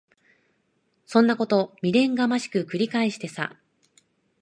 そんなこと未練がましく繰り返してさ。